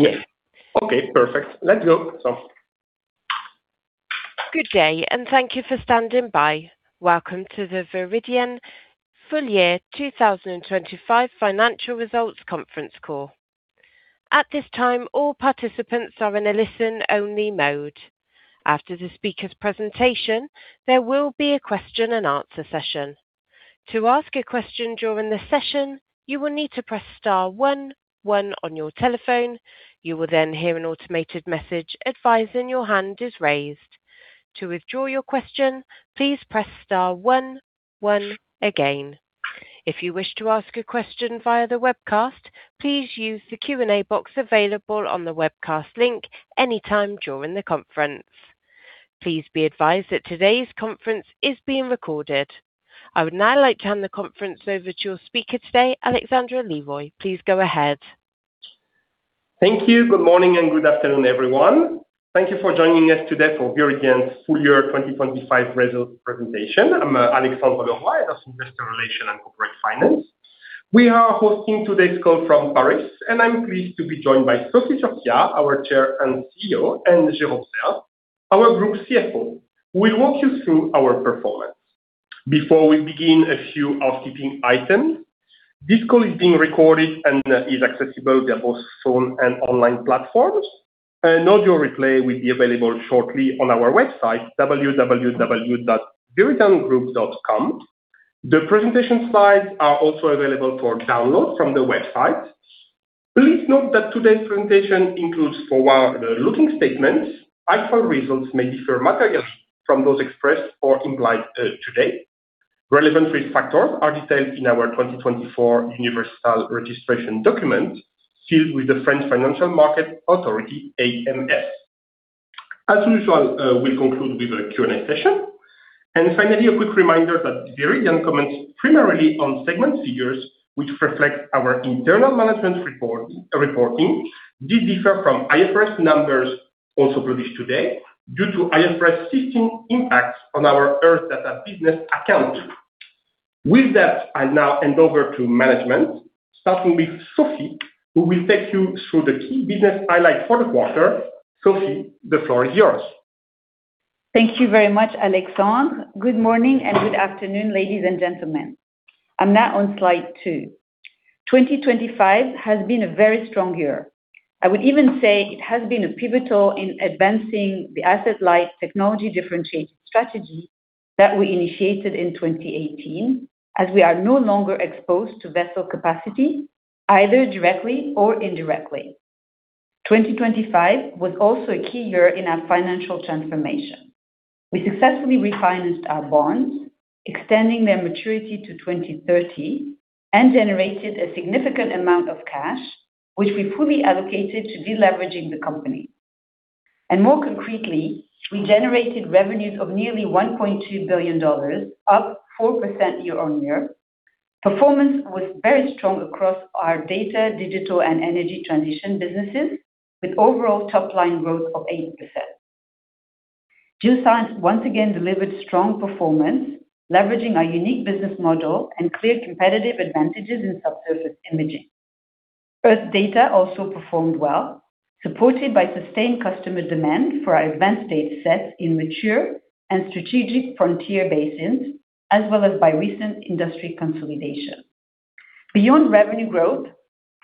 Yes. Okay, perfect. Let's go. Good day. Thank you for standing by. Welcome to the Viridien full year 2025 financial results conference call. At this time, all participants are in a listen-only mode. After the speaker's presentation, there will be a question and answer session. To ask a question during the session, you will need to press star one one on your telephone. You will hear an automated message advising your hand is raised. To withdraw your question, please press star 1, 1 again. If you wish to ask a question via the webcast, please use the Q&A box available on the webcast link anytime during the conference. Please be advised that today's conference is being recorded. I would now like to hand the conference over to your speaker today, Alexandre Leroy. Please go ahead. Thank you. Good morning and good afternoon, everyone. Thank you for joining us today for Viridien's full year 2025 results presentation. I'm Alexandre Leroy of Investor Relations and Corporate Finance. We are hosting today's call from Paris, and I'm pleased to be joined by Sophie Zurquiyah, our Chair and CEO, and Jérôme Serve, our Group CFO, who will walk you through our performance. Before we begin, a few housekeeping items. This call is being recorded and is accessible via both phone and online platforms. An audio replay will be available shortly on our website, www.viridiangroup.com. The presentation slides are also available for download from the website. Please note that today's presentation includes forward-looking statements. Actual results may differ materially from those expressed or implied today. Relevant risk factors are detailed in our 2024 universal registration document, filed with the French Financial Markets Authority, AMF. As usual, we'll conclude with a Q&A session. Finally, a quick reminder that Viridien comments primarily on segment figures, which reflect our internal management report, reporting. These differ from IFRS numbers also published today, due to IFRS stating impacts on our Earth Data business accounting. I now hand over to management, starting with Sophie, who will take you through the key business highlights for the quarter. Sophie, the floor is yours. Thank you very much, Alexandre. Good morning and good afternoon, ladies and gentlemen. I'm now on slide 2. 2025 has been a very strong year. I would even say it has been a pivotal in advancing the asset-light, technology-differentiated strategy that we initiated in 2018, as we are no longer exposed to vessel capacity, either directly or indirectly. 2025 was also a key year in our financial transformation. We successfully refinanced our bonds, extending their maturity to 2030. We generated a significant amount of cash, which we fully allocated to deleveraging the company. More concretely, we generated revenues of nearly $1.2 billion, up 4% year-on-year. Performance was very strong across our data, digital and energy transition businesses, with overall top line growth of 8%. Geoscience once again delivered a strong performance, leveraging our unique business model and clear competitive advantages in subsurface imaging. Earth Data also performed well, supported by sustained customer demand for our event datasets in mature and strategic frontier basins, as well as by recent industry consolidation. Beyond revenue growth,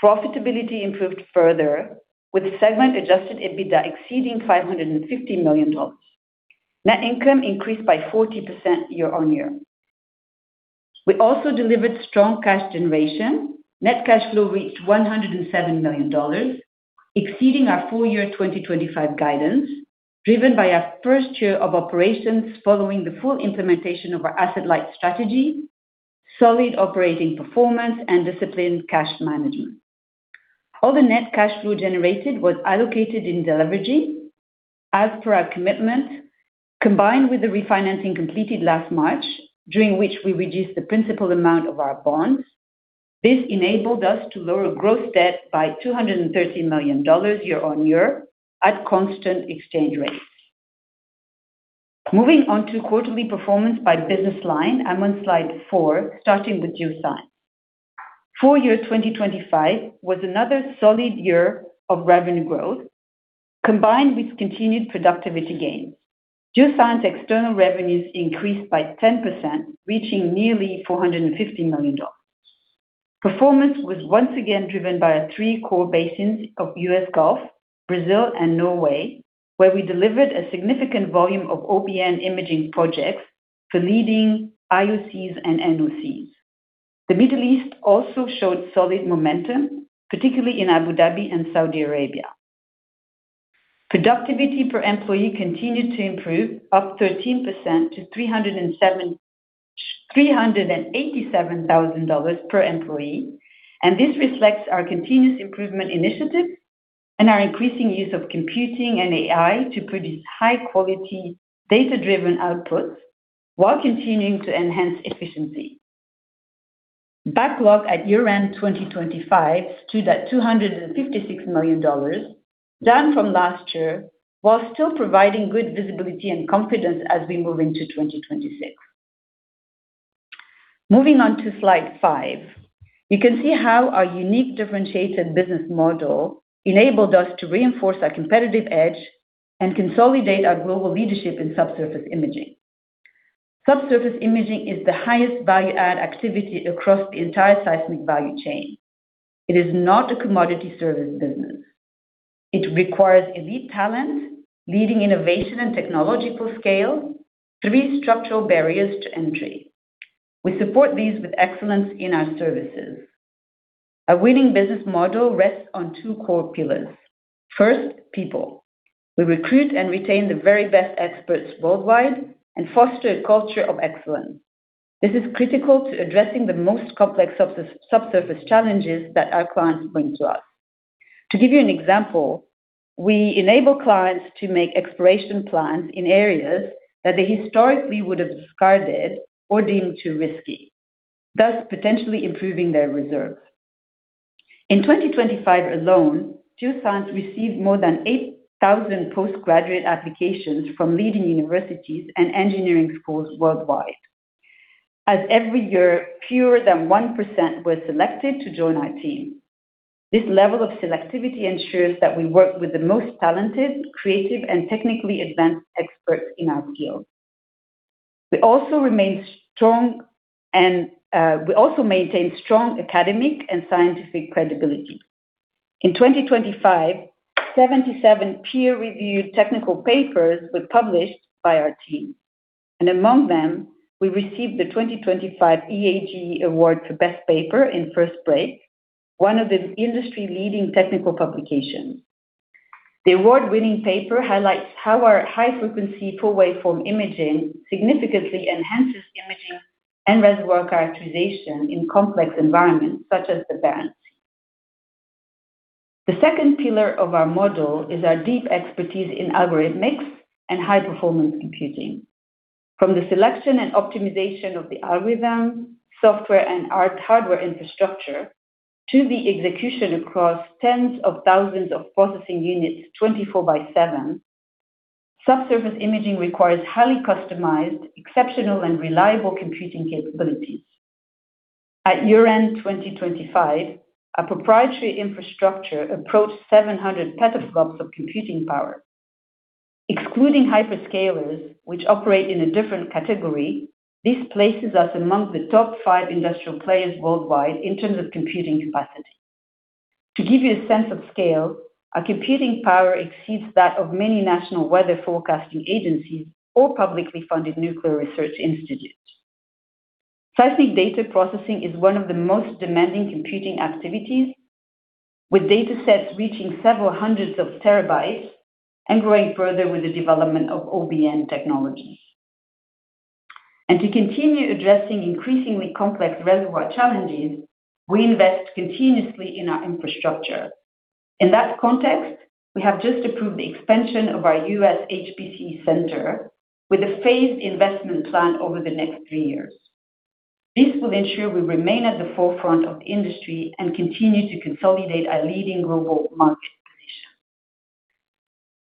profitability improved further, with segment-adjusted EBITDA exceeding $550 million. Net income increased by 40% year-over-year. We also delivered strong cash generation. Net cash flow reached $107 million, exceeding our full year 2025 guidance, driven by our first year of operations following the full implementation of our asset-light strategy, solid operating performance and disciplined cash management. All the net cash flow generated was allocated in deleveraging. As per our commitment, combined with the refinancing completed last March, during which we reduced the principal amount of our bonds, this enabled us to lower gross debt by $213 million year-on-year at constant exchange rates. Moving on to quarterly performance by business line, I'm on slide 4, starting with Geoscience. Full year 2025 was another solid year of revenue growth, combined with continued productivity gains. Geoscience external revenues increased by 10%, reaching nearly $450 million. Performance was once again driven by our three core basins of U.S. Gulf, Brazil, and Norway, where we delivered a significant volume of OBN imaging projects for leading IOCs and NOCs. The Middle East also showed solid momentum, particularly in Abu Dhabi and Saudi Arabia. Productivity per employee continued to improve, up 13% to $387,000 per employee. This reflects our continuous improvement initiatives and our increasing use of computing and AI to produce high-quality, data-driven outputs while continuing to enhance efficiency. Backlog at year-end 2025 stood at $256 million, down from last year, while still providing good visibility and confidence as we move into 2026. Moving on to slide 5. You can see how our unique differentiated business model enabled us to reinforce our competitive edge and consolidate our global leadership in subsurface imaging. Subsurface imaging is the highest value-add activity across the entire seismic value chain. It is not a commodity service business. It requires elite talent, leading innovation and technological scale, three structural barriers to entry. We support these with excellence in our services. Our winning business model rests on two core pillars. First, people. We recruit and retain the very best experts worldwide and foster a culture of excellence. This is critical to addressing the most complex subsurface challenges that our clients bring to us. To give you an example, we enable clients to make exploration plans in areas that they historically would have discarded or deemed too risky, thus potentially improving their reserves. In 2025 alone, Geoscience received more than 8,000 postgraduate applications from leading universities and engineering schools worldwide. As every year, fewer than 1% were selected to join our team. This level of selectivity ensures that we work with the most talented, creative, and technically advanced experts in our field. We also remain strong and we also maintain strong academic and scientific credibility. In 2025, 77 peer-reviewed technical papers were published by our team. Among them, we received the 2025 EAGE Award for Best Paper in First Break, one of the industry-leading technical publications. The award-winning paper highlights how our high-frequency full-waveform imaging significantly enhances imaging and reservoir characterization in complex environments such as the land. The second pillar of our model is our deep expertise in algorithmic and high-performance computing. From the selection and optimization of the algorithm, software, and our hardware infrastructure, to the execution across tens of thousands of processing units 24 by 7, subsurface imaging requires highly customized, exceptional, and reliable computing capabilities. At year-end 2025, our proprietary infrastructure approached 700 PetaFLOPS of computing power. Excluding Hyperscalers, which operate in a different category, this places us among the top five industrial players worldwide in terms of computing capacity. To give you a sense of scale, our computing power exceeds that of many national weather forecasting agencies or publicly funded nuclear research institutes. Seismic data processing is one of the most demanding computing activities, with datasets reaching several hundreds of terabytes and growing further with the development of OBN technology. To continue addressing increasingly complex reservoir challenges, we invest continuously in our infrastructure. In that context, we have just approved the expansion of our U.S. HPC center with a phased investment plan over the next 3 years. This will ensure we remain at the forefront of the industry and continue to consolidate our leading global market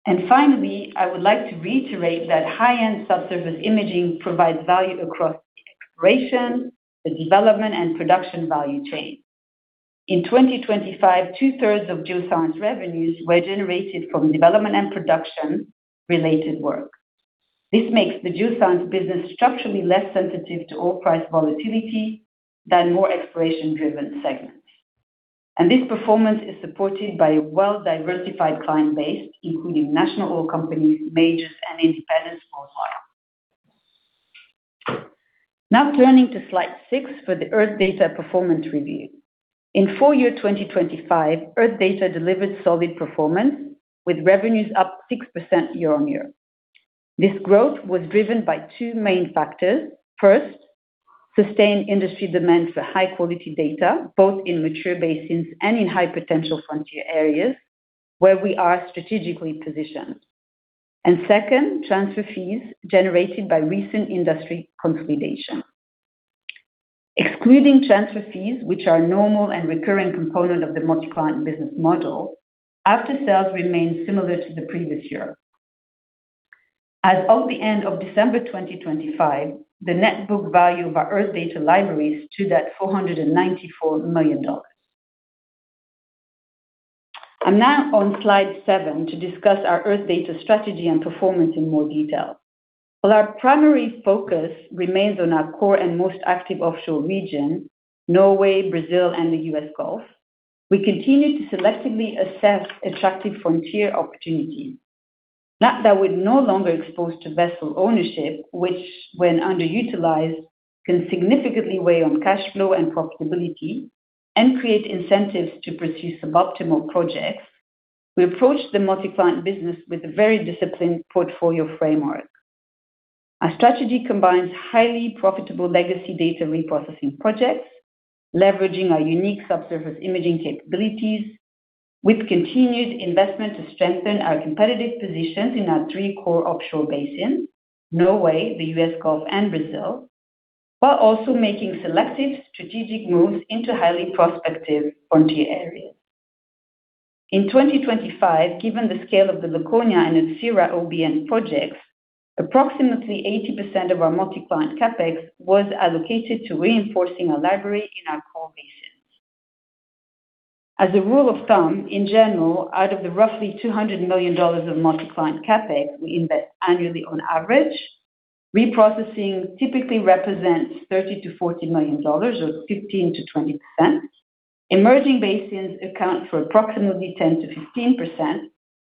position. Finally, I would like to reiterate that high-end subsurface imaging provides value across the exploration, the development, and production value chain. In 2025, 2/3 of Geoscience revenues were generated from development and production-related work. This makes the Geoscience business structurally less sensitive to oil price volatility than more exploration-driven segments. This performance is supported by a well-diversified client base, including national oil companies, majors, and independents worldwide. Now, turning to slide 6 for the Earth Data performance review. In full year 2025, Earth Data delivered solid performance, with revenues up 6% year-on-year. This growth was driven by two main factors. First, sustained industry demand for high-quality data, both in mature basins and in high-potential frontier areas where we are strategically positioned. Second, transfer fees generated by recent industry consolidation. Excluding transfer fees, which are a normal and recurring component of the multi-client business model, after-sales remained similar to the previous year. As of the end of December 2025, the net book value of our Earth Data libraries stood at $494 million. I'm now on slide seven to discuss our Earth Data strategy and performance in more detail. While our primary focus remains on our core and most active offshore region, Norway, Brazil, and the U.S. Gulf, we continue to selectively assess attractive frontier opportunities. Now that we're no longer exposed to vessel ownership, which when underutilized, can significantly weigh on cash flow and profitability and create incentives to pursue suboptimal projects, we approach the multi-client business with a very disciplined portfolio framework. Our strategy combines highly profitable legacy data reprocessing projects, leveraging our unique subsurface imaging capabilities, with continued investment to strengthen our competitive positions in our three core offshore basins: Norway, the U.S. Gulf, and Brazil, while also making selective strategic moves into highly prospective frontier areas. In 2025, given the scale of the Laconia and Atchira OBN projects, approximately 80% of our multi-client CapEx was allocated to reinforcing our library in our core basin. As a rule of thumb, in general, out of the roughly $200 million of multi-client CapEx we invest annually on average, reprocessing typically represents $30 million-$40 million, or 15%-20%. Emerging basins account for approximately 10%-15%,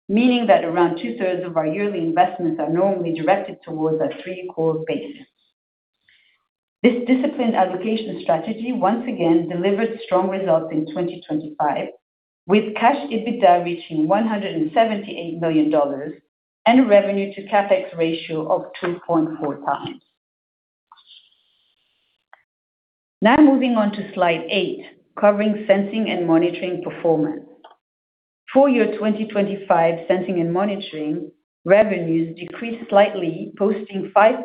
meaning that around two-thirds of our yearly investments are normally directed towards our three core basins. This disciplined allocation strategy once again delivered strong results in 2025, with cash EBITDA reaching $178 million, and revenue to CapEx ratio of 2.4x. Moving on to slide 8, covering sensing and monitoring performance. Full year 2025, sensing and monitoring revenues decreased slightly, posting 5%,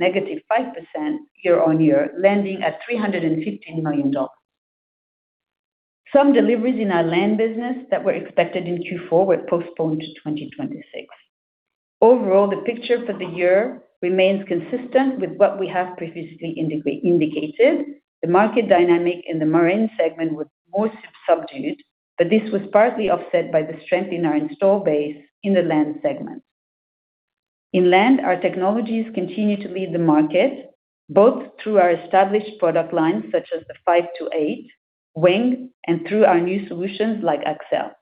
-5% year-on-year, landing at $315 million. Some deliveries in our land business that were expected in Q4 were postponed to 2026. Overall, the picture for the year remains consistent with what we have previously indicated. The market dynamic in the marine segment was more subdued, but this was partly offset by the strength in our install base in the land segment. In land, our technologies continue to lead the market, both through our established product lines, such as the 528 Wing, and through our new solutions like Accel.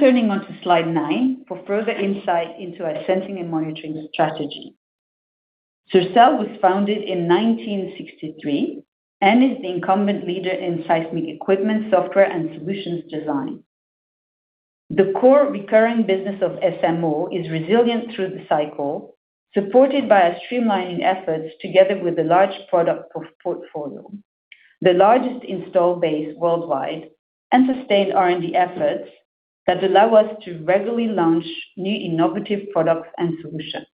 Turning to slide 9 for further insight into our sensing and monitoring strategy. Sercel was founded in 1963 and is the incumbent leader in seismic equipment, software, and solutions design. The core recurring business of SMO is resilient through the cycle, supported by our streamlining efforts together with a large product portfolio, the largest install base worldwide, and sustained R&D efforts that allow us to regularly launch new innovative products and solutions.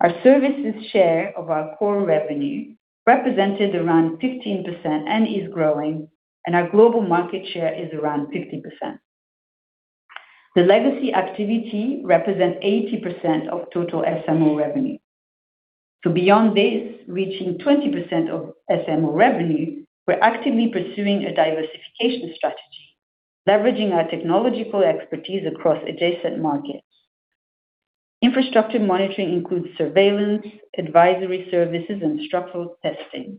Our services share of our core revenue represented around 15% and is growing, and our global market share is around 50%. The legacy activity represents 80% of total SMO revenue. Beyond this, reaching 20% of SMO revenue, we're actively pursuing a diversification strategy, leveraging our technological expertise across adjacent markets. Infrastructure monitoring includes surveillance, advisory services, and structural testing.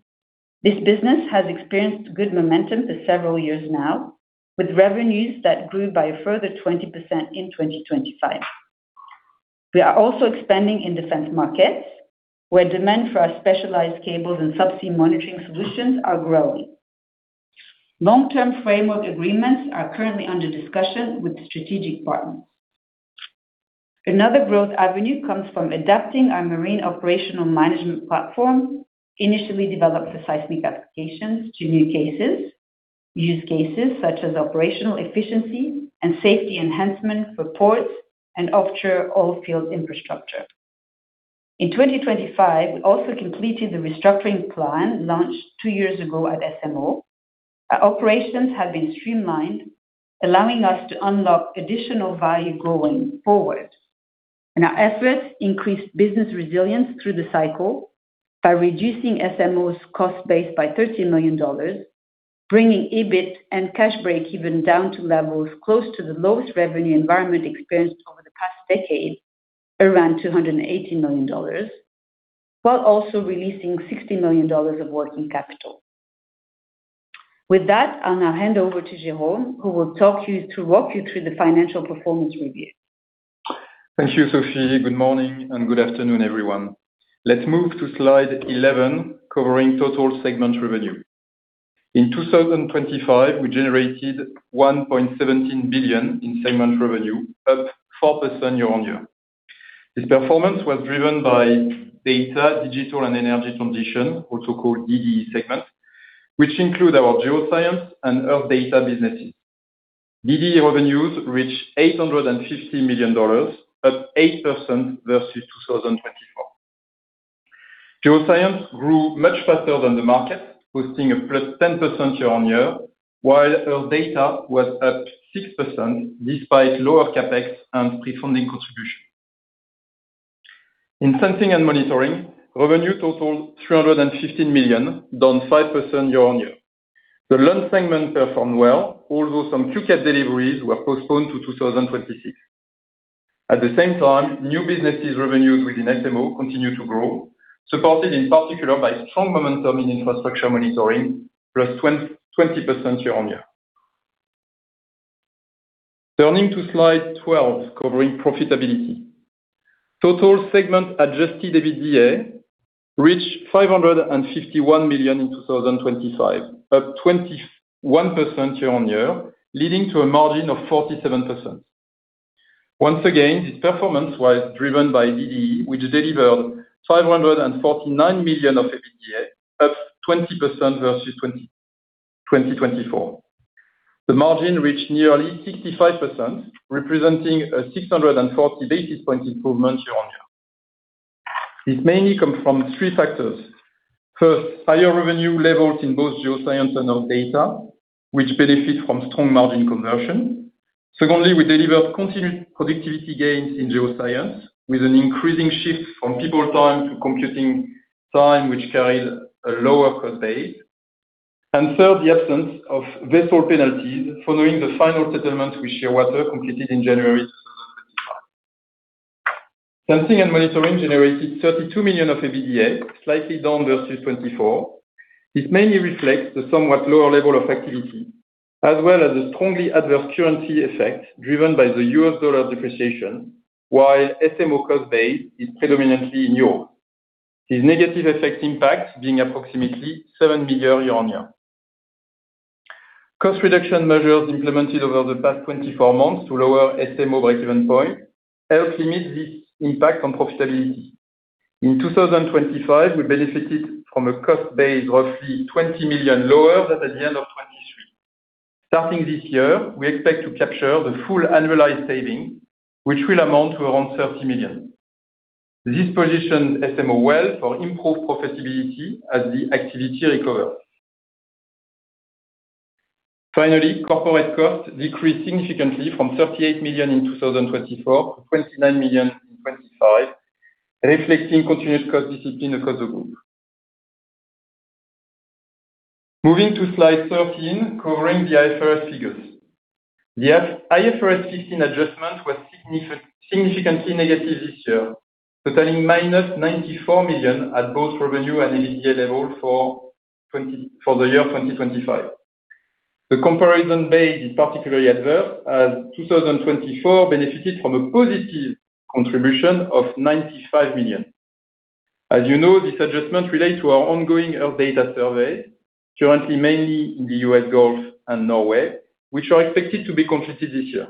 This business has experienced good momentum for several years now, with revenues that grew by a further 20% in 2025. We are also expanding in defense markets, where demand for our specialized cables and subsea monitoring solutions are growing. Long-term framework agreements are currently under discussion with strategic partners. Another growth avenue comes from adapting our marine operational management platform, initially developed for seismic applications to new cases. Use cases such as operational efficiency and safety enhancement for ports and offshore oil field infrastructure. In 2025, we also completed the restructuring plan launched two years ago at SMO. Our operations have been streamlined, allowing us to unlock additional value going forward. Our efforts increased business resilience through the cycle by reducing SMO's cost base by $13 million, bringing EBIT and cash break-even down to levels close to the lowest revenue environment experienced over the past decade, around $280 million, while also releasing $60 million of working capital. With that, I'll now hand over to Jérôme, who will walk you through the financial performance review. Thank you, Sophie. Good morning, good afternoon, everyone. Let's move to slide 11, covering total segment revenue. In 2025, we generated $1.17 billion in segment revenue, up 4% year-on-year. This performance was driven by Data, Digital, and Energy Transition, also called DDE segment, which include our Geoscience and Earth Data businesses. DDE revenues reached $850 million, up 8% versus 2024. Geoscience grew much faster than the market, posting a +10% year-on-year, while Earth Data was up 6%, despite lower CapEx and prefunding contribution. In Sensing & Monitoring, revenue totaled $315 million, down 5% year-on-year. The land segment performed well, although some Q-CAT deliveries were postponed to 2026. At the same time, new businesses revenues within SMO continue to grow, supported in particular by strong momentum in infrastructure monitoring, plus 20% year-on-year. Turning to slide 12, covering profitability. Total segment adjusted EBITDA reached $551 million in 2025, up 21% year-on-year, leading to a margin of 47%. Once again, this performance was driven by DDE, which delivered $549 million of EBITDA, up 20% versus 2024. The margin reached nearly 65%, representing a 640 basis point improvement year-on-year. It mainly come from three factors. First, higher revenue levels in both Geoscience and Earth Data, which benefit from strong margin conversion. Secondly, we delivered continued productivity gains in Geoscience, with an increasing shift from people time to computing time, which carries a lower cost base. Third, the absence of vessel penalties following the final settlement with Shearwater, completed in January. Sensing and monitoring generated $32 million of EBITDAs, slightly down versus 2024. It mainly reflects the somewhat lower level of activity, as well as a strongly adverse currency effect driven by the U.S. dollar depreciation, while SMO cost base is predominantly in Europe. This negative effect impact being approximately $7 million year-on-year. Cost reduction measures implemented over the past 24 months to lower SMO breakeven point, helped limit this impact on profitability. In 2025, we benefited from a cost base, roughly $20 million lower than at the end of 2023. Starting this year, we expect to capture the full annualized saving, which will amount to around $30 million. This positions SMO well for improved profitability as the activity recover. Finally, corporate costs decreased significantly from $38 million in 2024 to $29 million in 2025, reflecting continuous cost discipline across the group. Moving to slide 13, covering the IFRS figures. The IFRS 16 adjustment was significantly negative this year, totaling minus $94 million at both revenue and EBITDAs level for the year 2025. The comparison base is particularly adverse, as 2024 benefited from a positive contribution of $95 million. As this adjustment relates to our ongoing Earth Data survey, currently mainly in the U.S. Gulf and Norway, which are expected to be completed this year.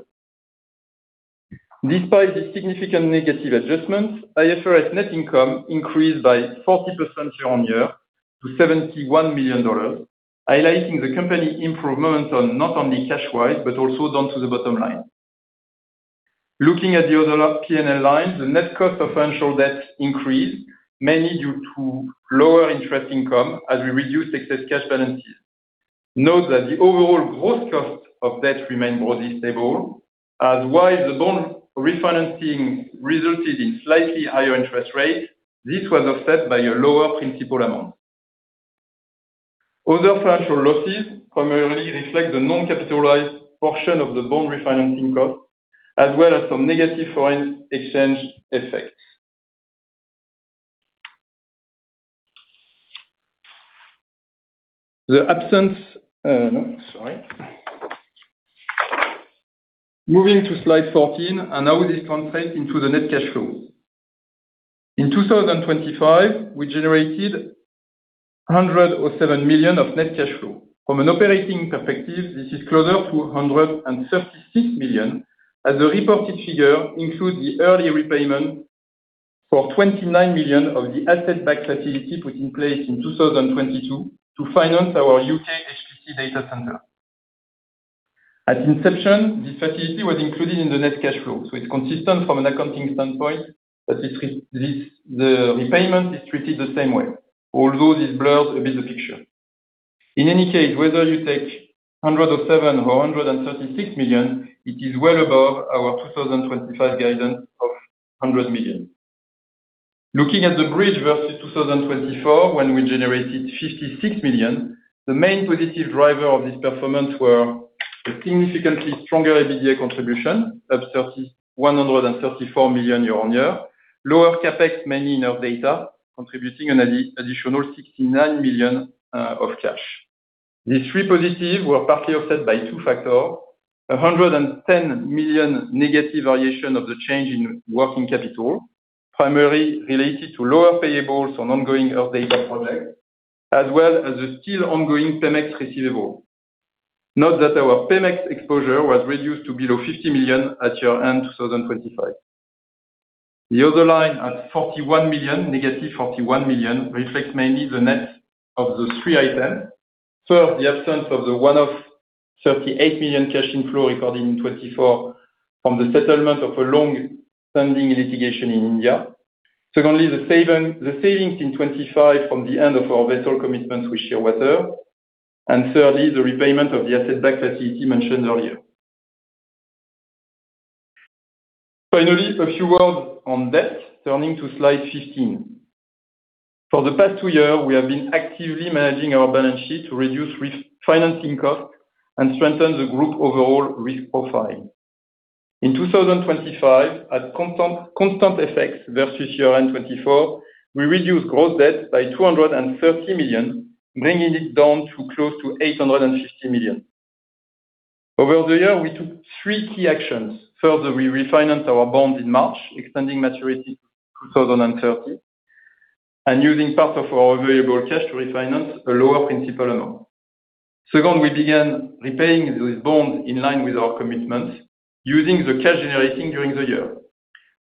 Despite the significant negative adjustment, IFRS net income increased by 40% year-on-year to $71 million, highlighting the company improvement on not only cash wise, but also down to the bottom line. Looking at the other P&L lines, the net cost of financial debt increased, mainly due to lower interest income as we reduce excess cash balances. Note that the overall growth cost of debt remained more stable, as while the loan refinancing resulted in slightly higher interest rates, this was offset by a lower principal amount. Other financial losses primarily reflect the non-capitalized portion of the bond refinancing cost, as well as some negative foreign exchange effects. no, sorry. Moving to slide 14, now this translates into the net cash flow. In 2025, we generated $107 million of net cash flow. From an operating perspective, this is closer to $136 million, as the reported figure includes the early repayment for $29 million of the asset-backed facility put in place in 2022 to finance our UK HPC data center. At inception, this facility was included in the net cash flow, so it's consistent from an accounting standpoint that the repayment is treated the same way, although this blurs a bit of picture. In any case, whether you take $107 million or $136 million, it is well above our 2025 guidance of $100 million. Looking at the bridge versus 2024, when we generated $56 million, the main positive driver of this performance were a significantly stronger EBITDA contribution of $134 million year-on-year. Lower CapEx, mainly in our data, contributing an additional $69 million of cash. These three positives were partly offset by two factors, a $110 million negative variation of the change in working capital, primarily related to lower payables on ongoing Earth Data projects, as well as the still ongoing Pemex receivable. Note that our Pemex exposure was reduced to below $50 million at year-end 2025. The other line at $41 million, negative $41 million, reflects mainly the net of the three items. First, the absence of the one-off $38 million cash inflow recorded in 2024 from the settlement of a long-standing litigation in India. Secondly, the savings in 2025 from the end of our vessel commitment with Shearwater. Thirdly, the repayment of the asset-backed facility mentioned earlier. Finally, a few words on debt, turning to slide 15. For the past 2 years, we have been actively managing our balance sheet to reduce risk, financing costs, and strengthen the group overall risk profile. In 2025, at constant FX versus year-end 2024, we reduced gross debt by $230 million, bringing it down to close to $850 million. Over the year, we took three key actions. First, we refinanced our bond in March, extending maturity to 2030, and using part of our variable cash to refinance a lower principal amount. Second, we began repaying this bond in line with our commitment, using the cash generating during the year.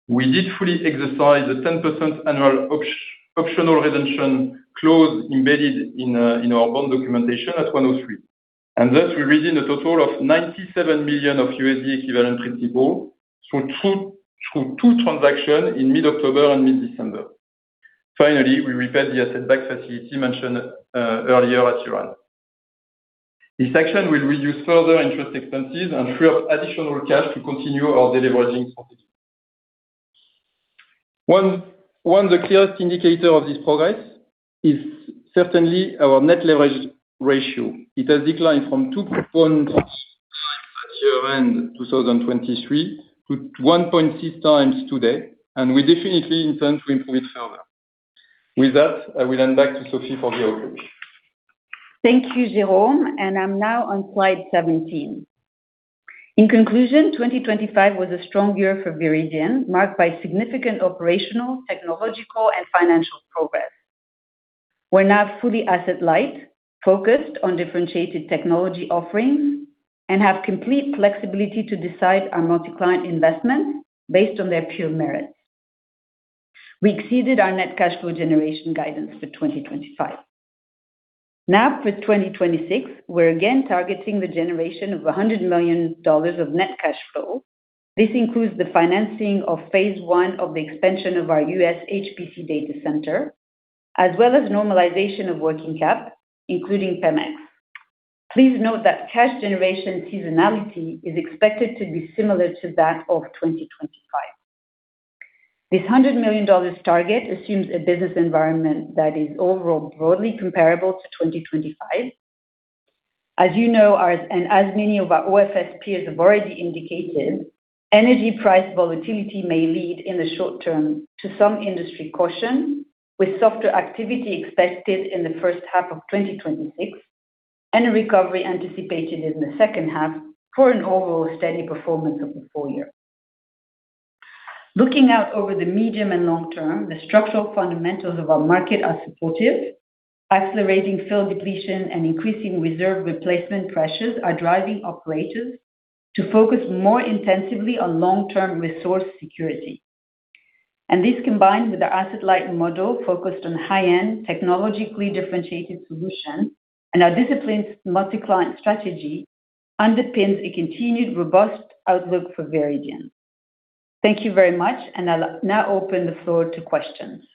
We did fully exercised the 10% annual optional redemption clause embedded in our bond documentation at 103 Thus we raised in a total of $97 million of USD equivalent principal through two transactions in mid-October and mid-December. Finally, we repaid the asset-backed facility mentioned earlier at year-end. This action will reduce further interest expenses and free up additional cash to continue our de-leveraging strategy. One of the clearest indicator of this progress is certainly our net leverage ratio. It has declined from 2.5 at year-end 2023, to 1.6x today, and we definitely intend to improve it further. With that, I will hand back to Sophie Zurquiyah for the outlook. Thank you, Jérôme, and I'm now on slide 17. In conclusion, 2025 was a strong year for Viridien, marked by significant operational, technological, and financial progress. We're now fully asset light, focused on differentiated technology offerings, and have complete flexibility to decide our multi-client investments based on their pure merits. We exceeded our net cash flow generation guidance for 2025. Now for 2026, we're again targeting the generation of $100 million of net cash flow. This includes the financing of phase 1 of the expansion of our U.S. HPC data center, as well as normalization of working cap, including Pemex. Please note that cash generation seasonality is expected to be similar to that of 2025. This $100 million target assumes a business environment that is overall broadly comparable to 2025. As our, and as many of our OFS peers have already indicated, energy price volatility may lead in the short term to some industry caution, with softer activity expected in the first half of 2026, and a recovery anticipated in the second half for an overall steady performance of the full year. Looking out over the medium and long term, the structural fundamentals of our market are supportive. Accelerating field depletion and increasing reserve replacement pressures are driving operators to focus more intensively on long-term resource security. This, combined with our asset-light model, focused on high-end, technologically differentiated solutions and our disciplined multi-client strategy, underpins a continued robust outlook for Viridien. Thank you very much, and I'll now open the floor to questions.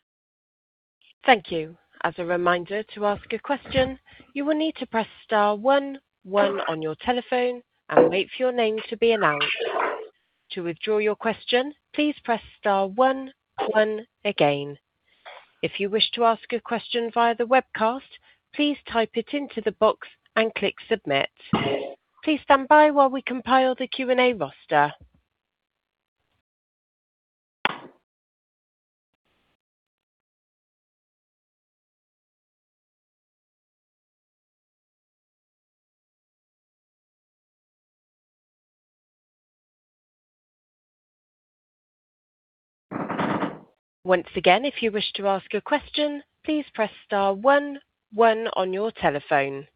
Thank you. As a reminder, to ask a question, you will need to press star 1, 1 on your telephone and wait for your name to be announced. To withdraw your question, please press star 1, 1 again. If you wish to ask a question via the webcast, please type it into the box and click submit. Please stand by while we compile the Q&A roster. Once again, if you wish to ask a question, please press star 1, 1 on your telephone.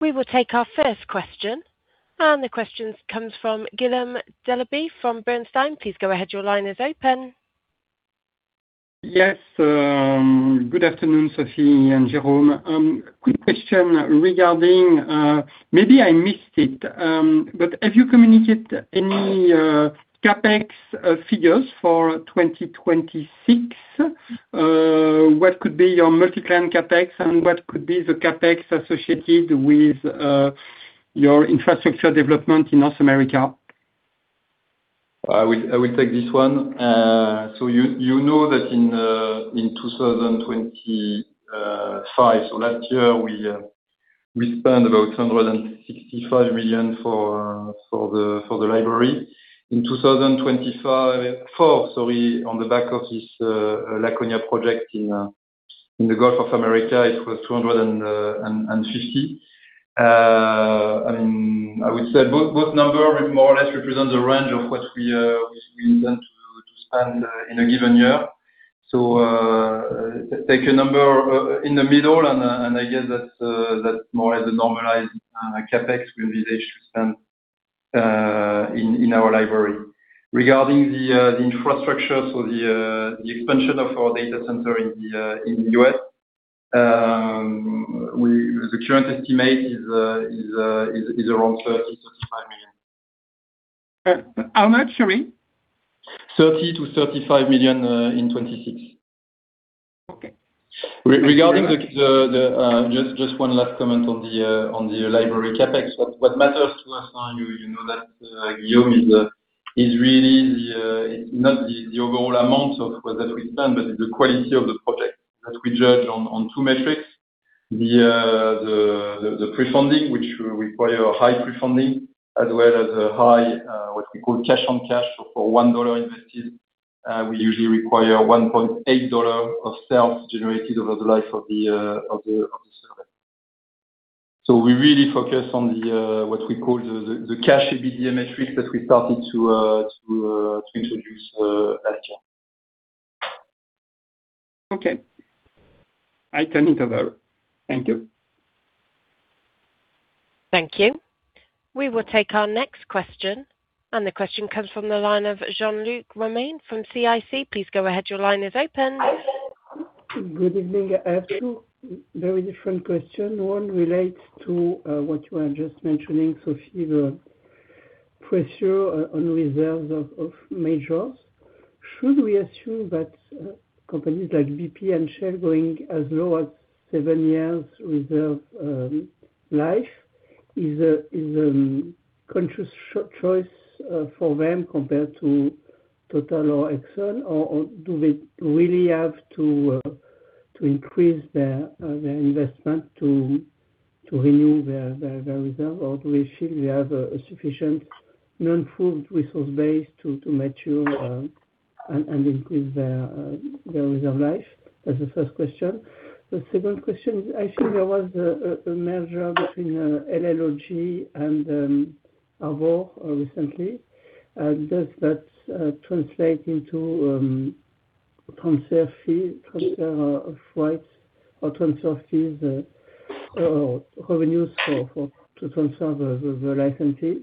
We will take our first question. The question comes from Guillaume Delaby from Bernstein. Please go ahead. Your line is open. Yes, good afternoon, Sophie and Jérôme. Quick question regarding, maybe I missed it, have you communicated any CapEx figures for 2026? What could be your multi-client CapEx, and what could be the CapEx associated with your infrastructure development in North America? I will take this one. That in 2025, last year, we spent about $165 million for the library. In 2025, 4, sorry, on the back of this Laconia project in the Gulf of America, it was $250 million. I mean, I would say both number more or less represent the range of what we intend to spend in a given year. Take a number in the middle, and I guess that's more or less the normalized CapEx will be able to spend in our library. Regarding the infrastructure, the expansion of our data center in the US, the current estimate is around $30 million-$35 million. How much, sorry? $30 million-$35 million in 2026. Okay. Regarding the just one last comment on the library CapEx. What matters to us, that Guillaume is really the overall amount of what that we spend, but the quality of the project that we judge on two metrics. The pre-funding, which require a high pre-funding, as well as a high, what we call cash on cash. For $1 invested, we usually require $1.8 of sales generated over the life of the survey. We really focus on what we call the cash EBITDA metrics that we started to introduce last year. Okay. I turn it over. Thank you. Thank you. We will take our next question, and the question comes from the line of Jean-Luc Romain from CIC. Please go ahead. Your line is open. Good evening. I have two very different question. One relates to what you are just mentioning, Sophie, the pressure on reserves of majors. Should we assume that companies like BP and Shell going as low as 7 years reserve life is a conscious choice for them compared to Total or Exxon, or do they really have to increase their investment to renew their reserve, or do they feel they have a sufficient non-proved resource base to mature and increase their reserve life? That's the first question. The second question, I see there was a merger between LLOG and Harbour recently. Does that translate into transfer fee, rights or transfer fees, or revenues for to conserve the licensee?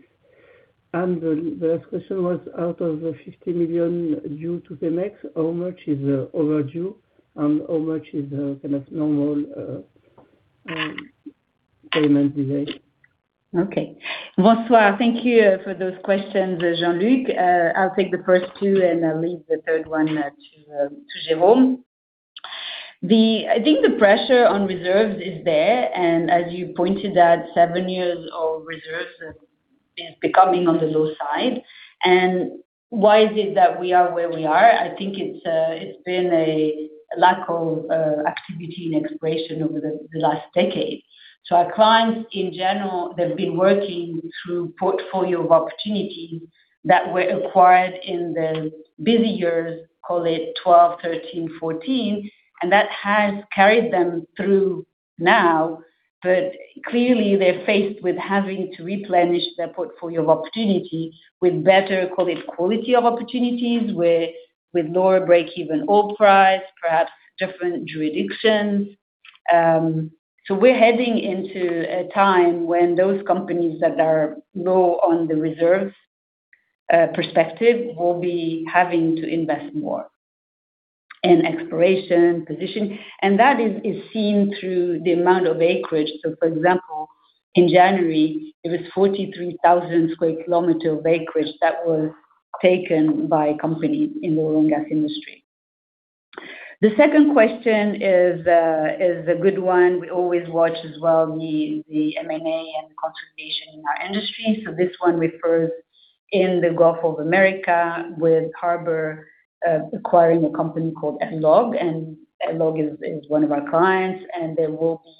The last question was, out of the $50 million due to Pemex, how much is overdue, and how much is kind of normal payment delay? Okay. Well, thank you for those questions, Jean-Luc. I'll take the first two, and I'll leave the third one to Jerome. I think the pressure on reserves is there, and as you pointed out, seven years of reserves is becoming on the low side. Why is it that we are where we are? I think it's been a lack of activity and exploration over the last decade. Our clients, in general, have been working through a portfolio of opportunities that were acquired in the busy years, call it 12, 13, 14, and that has carried them through now. Clearly, they're faced with having to replenish their portfolio of opportunities with better, call it, quality of opportunities, with lower breakeven oil price, perhaps different jurisdictions. We're heading into a time when those companies that are low on the reserves perspective will be having to invest more in exploration, position. That is seen through the amount of acreage. For example, in January, it was 43,000 square Kilometers of acreage that was taken by companies in the oil and gas industry. The second question is a good one. We always watch as well, the M&A and consolidation in our industry, this one refers in the Gulf of America with Harbour acquiring a company called LLOG, and LLOG is one of our clients, and there will be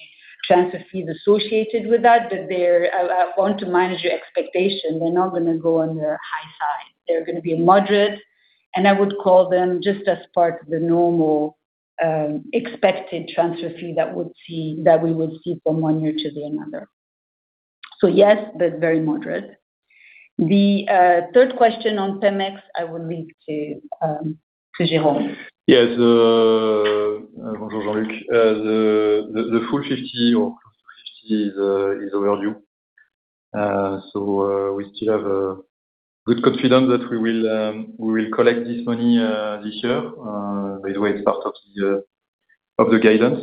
transfer fees associated with that. They're, I want to manage your expectation. They're not gonna go on the high side. They're gonna be moderate, and I would call them just as part of the normal, expected transfer fee that we would see from one year to another. Yes, but very moderate. The third question on Pemex, I will leave to Jérôme Serve. Yes, the full $50 or close to $50 is overdue. We still have a good confidence that we will collect this money this year. By the way, it's part of the guidance.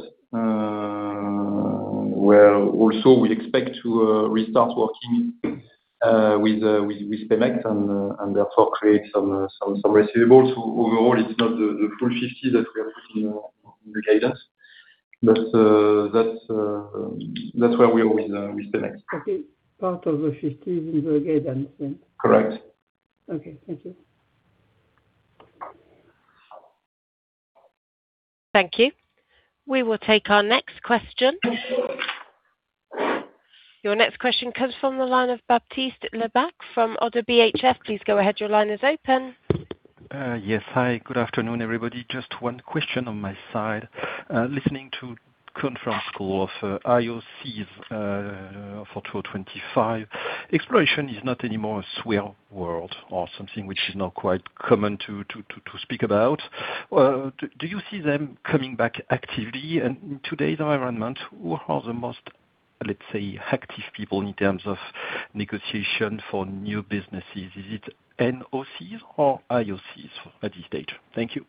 Well, also, we expect to restart working with Pemex and therefore create some receivables. Overall, it's not the full $50 that we are putting in the guidance, but that's where we are with Pemex. Okay. Part of the $50 is in the guidance then? Correct. Okay. Thank you. Thank you. We will take our next question. Your next question comes from the line of Baptiste Lebacq from ODDO BHF. Please go ahead. Your line is open. Yes. Hi, good afternoon, everybody. Just one question on my side. Listening to conference call of IOCs for 225, exploration is not anymore a swear word or something which is not quite common to speak about. Do you see them coming back actively? In today's environment, who are the most, let's say, active people in terms of negotiation for new businesses? Is it NOCs or IOCs at this stage? Thank you.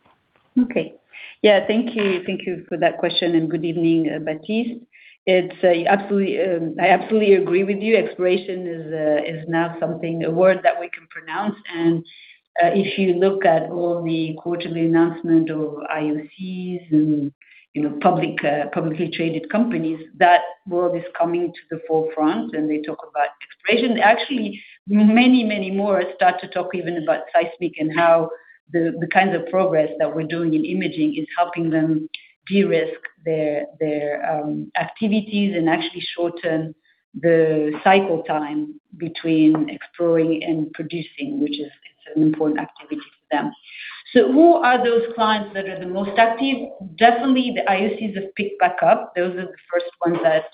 Okay. thank you. Thank you for that question, good evening, Baptiste. It's absolutely, I absolutely agree with you. Exploration is now something, a word that we can pronounce. If you look at all the quarterly announcement of IOCs and, public, publicly traded companies, that world is coming to the forefront, and they talk about exploration. Actually, many more start to talk even about seismic and how the kinds of progress that we're doing in imaging is helping them de-risk their activities and actually shorten the cycle time between exploring and producing, which is, it's an important activity for them. Who are those clients that are the most active? Definitely, the IOCs have picked back up. Those are the first ones that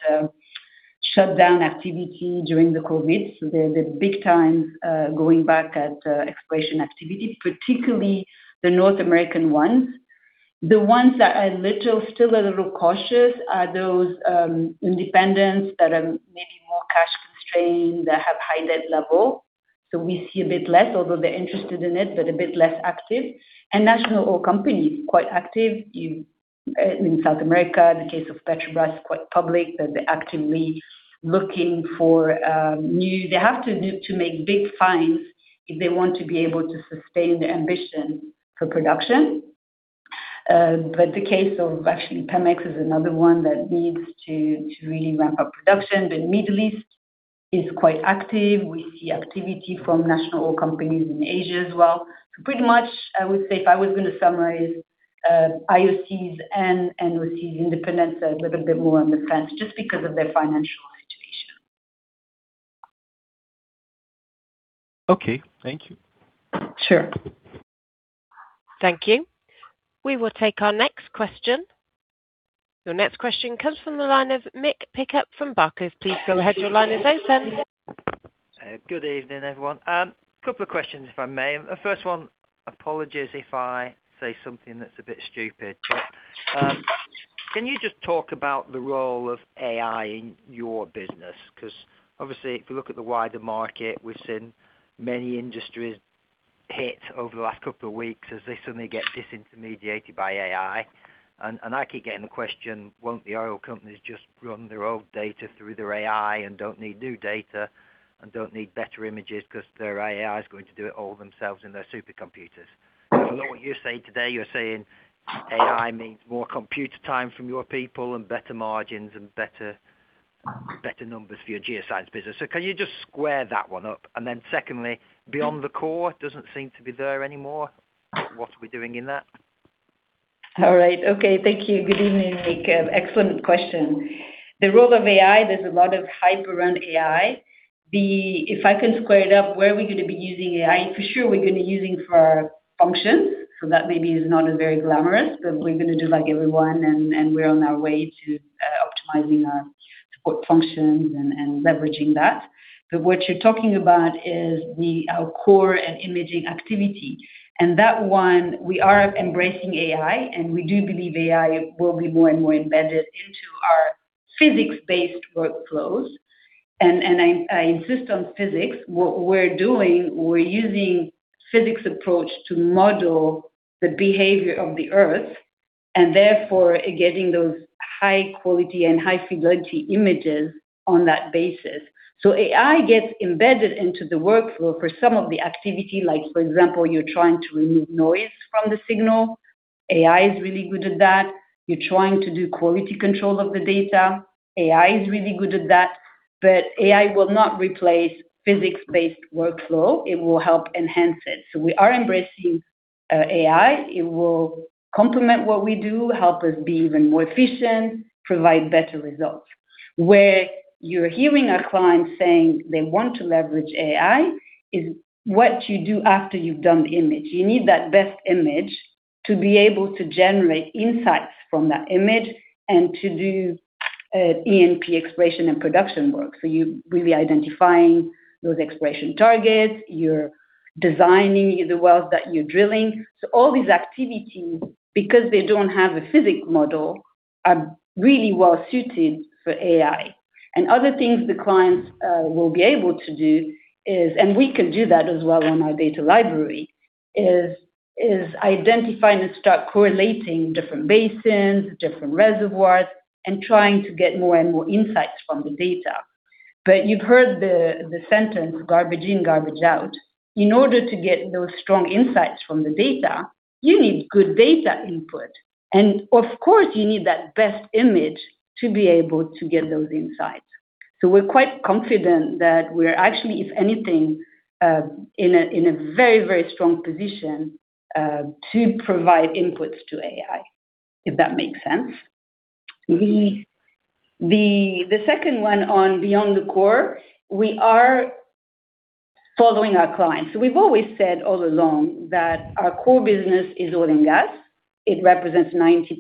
shut down activity during the COVID. They're the big times going back at exploration activity, particularly the North American ones. The ones that are a little, still a little cautious are those independents that are maybe more cash constrained, that have high debt level. We see a bit less, although they're interested in it, but a bit less active. National oil companies, quite active. In South America, the case of Petrobras, quite public, that they're actively looking for. They have to do to make big finds if they want to be able to sustain their ambition for production. The case of actually Pemex is another one that needs to really ramp up production. The Middle East is quite active. We see activity from national oil companies in Asia as well. Pretty much I would say if I was going to summarize, IOCs and NOCs, independents are a little bit more on the fence just because of their financial situation. Okay, thank you. Sure. Thank you. We will take our next question. Your next question comes from the line of Mick Pickup from Barclays. Please go ahead. Your line is open. Good evening, everyone. A couple of questions, if I may. The first one, apologies if I say something that's a bit stupid, but, can you just talk about the role of AI in your business? 'Cause obviously, if you look at the wider market, we've seen many industries hit over the last couple of weeks as they suddenly get disintermediated by AI. I keep getting the question, won't the oil companies just run their old data through their AI and don't need new data and don't need better images, 'cause their AI is going to do it all themselves in their supercomputers? I know what you're saying today, you're saying AI means more computer time from your people and better margins and better numbers for your Geoscience business. Can you just square that one up? Secondly, beyond the core, doesn't seem to be there anymore. What are we doing in that? All right. Okay. Thank you. Good evening, Mick. Excellent question. The role of AI, there's a lot of hype around AI. If I can square it up, where are we gonna be using AI? For sure we're gonna be using it for our functions, so that maybe is not as very glamorous, but we're gonna do like everyone, and we're on our way to optimizing our support functions and leveraging that. What you're talking about is our core and imaging activity. That one, we are embracing AI, and we do believe AI will be more and more embedded into our physics-based workflows. I insist on physics. What we're doing, we're using physics approach to model the behavior of the Earth, and therefore getting those high quality and high fidelity images on that basis. AI gets embedded into the workflow for some of the activity, like, for example, you're trying to remove noise from the signal. AI is really good at that. You're trying to do quality control of the data. AI is really good at that. AI will not replace physics-based workflow. It will help enhance it. We are embracing AI. It will complement what we do, help us be even more efficient, and provide better results. Where you're hearing our clients saying they want to leverage AI is what you do after you've done the image. You need the best image to be able to generate insights from that image and to do E&P exploration and production work. You're really identifying those exploration targets. You're designing the wells that you're drilling. All these activities, because they don't have a physics model, are really well-suited for AI. Other things the clients will be able to do is, and we can do that as well on our data library, is identifying and start correlating different basins, different reservoirs, and trying to get more and more insights from the data. You've heard the sentence, "Garbage in, garbage out." In order to get those strong insights from the data, you need good data input. Of course, you need that best image to be able to get those insights. We're quite confident that we're actually, if anything, in a very, very strong position to provide inputs to AI, if that makes sense. The second one on beyond the core, we are following our clients. We've always said all along that our core business is oil and gas. It represents 90%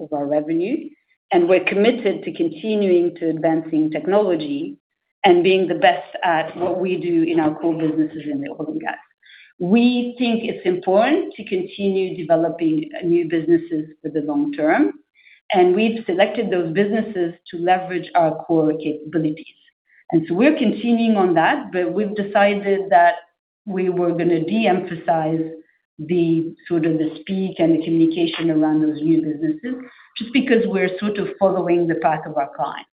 of our revenue, and we're committed to continuing to advancing technology and being the best at what we do in our core businesses in the oil and gas. We think it's important to continue developing new businesses for the long term, and we've selected those businesses to leverage our core capabilities. We're continuing on that, but we've decided that we were gonna de-emphasize the sort of the speak and the communication around those new businesses, just because we're sort of following the path of our clients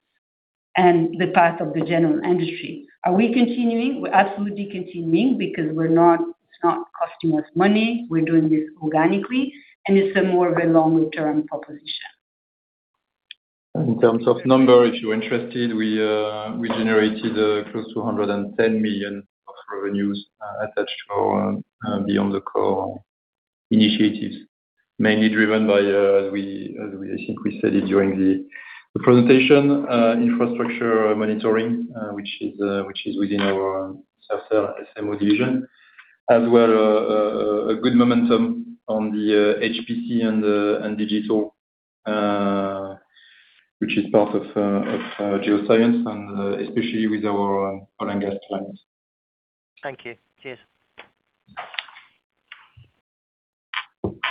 and the path of the general industry. Are we continuing? We're absolutely continuing because it's not costing us money. We're doing this organically, and it's a more of a longer term proposition. In terms of number, if you're interested, we generated close to $110 million of revenues attached to our beyond the core initiatives, mainly driven by as we, I think we said it during the presentation, infrastructure monitoring, which is within our software SMO division, as well, a good momentum on the HPC and the digital, which is part of Geoscience and especially with our oil and gas clients. Thank you.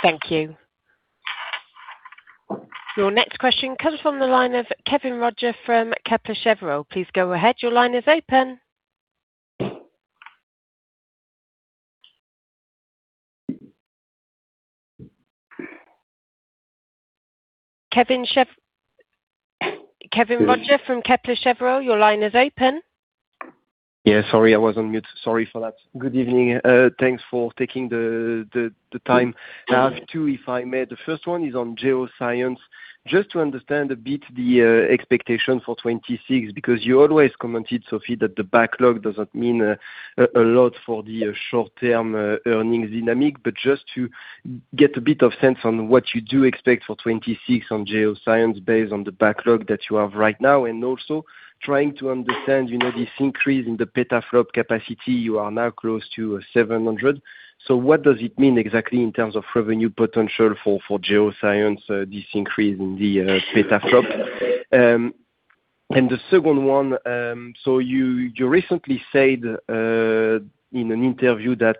Cheers! Thank you. Your next question comes from the line of Kevin Roger from Kepler Cheuvreux. Please go ahead. Your line is open. Kevin Roger from Kepler Cheuvreux, your line is open. Sorry, I was on mute. Sorry for that. Good evening. Thanks for taking the time. I have two, if I may. The first one is on Geoscience. Just to understand a bit the expectation for 2026, because you always commented, Sophie, that the backlog doesn't mean a lot for the short-term earnings dynamic. Just to get a bit of sense on what you do expect for 2026 on Geoscience, based on the backlog that you have right now, and also trying to understand, this increase in the PetaFLOPS capacity, you are now close to 700. What does it mean exactly in terms of revenue potential for Geoscience, this increase in the PetaFLOPS? The second one, you recently said in an interview that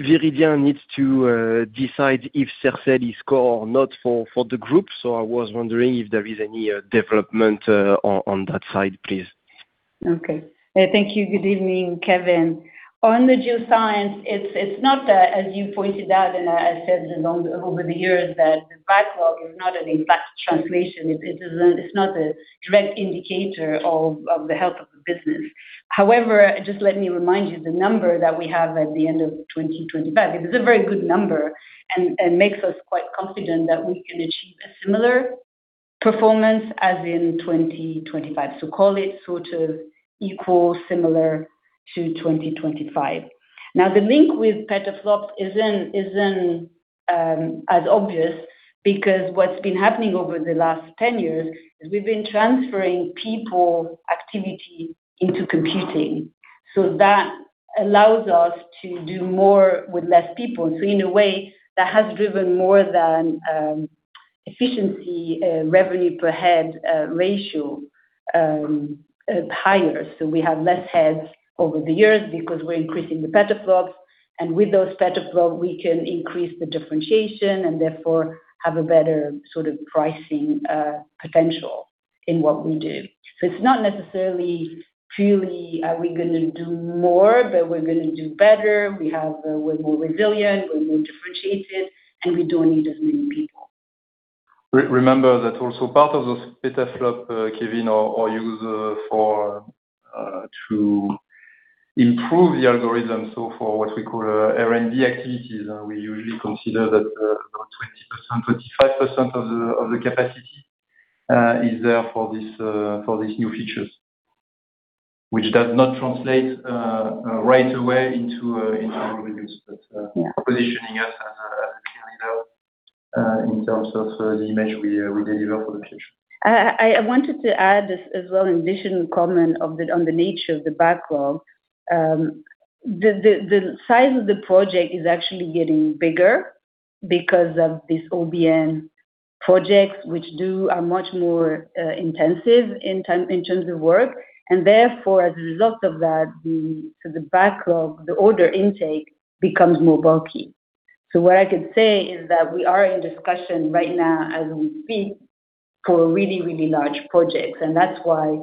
Viridien needs to decide if Sercel is core or not for the group. I was wondering if there is any development on that side, please? Okay. Thank you. Good evening, Kevin. On the Geoscience, it's not, as you pointed out, and I said along, over the years, that the backlog is not an impact translation. It is not a direct indicator of the health of the business. However, just let me remind you, the number that we have at the end of 2025, it is a very good number and makes us quite confident that we can achieve a similar performance as in 2025. Call it sort of equal, similar to 2025. The link with petaFLOPS isn't as obvious, because what's been happening over the last 10 years is we've been transferring people activity into computing. That allows us to do more with less people. In a way, that has driven more than efficiency, revenue per head ratio higher. We have less heads over the years because we're increasing the petaflops. With those PetaFLOPS, we can increase the differentiation and therefore have a better sort of pricing potential in what we do. It's not necessarily purely, are we gonna do more, but we're gonna do better. We have, we're more resilient, we're more differentiated, and we don't need as many people. Re-remember that also part of those PetaFLOPS, Kevin, are used for to improve the algorithm. For what we call R&D activities, we usually consider that about 20%, 35% of the capacity is there for these new features, which does not translate right away into revenues. Positioning us as a, as a key leader, in terms of, the image we deliver for the future. I wanted to add this as well, in addition to the comment on the nature of the backlog. The size of the project is actually getting bigger because of this OBN projects, which are much more intensive in terms of work, therefore, as a result of that, the backlog the order intake becomes more bulky. What I could say is that we are in discussion right now as we speak, for really, really large projects. That's why